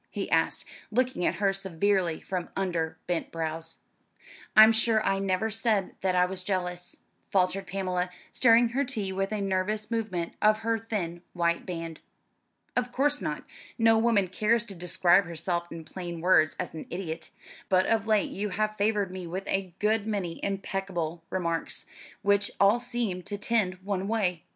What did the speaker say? he asked, looking at her severely from under bent brows. "I'm sure I never said that I was jealous," faltered Pamela, stirring her tea with a nervous movement of her thin white band. "Of course not; no woman cares to describe herself in plain words as an idiot; but of late you have favoured me with a good many imbecile remarks, which all seem to tend one way.